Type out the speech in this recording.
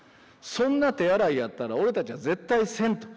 そんな手洗いやったら俺たちは絶対せんと。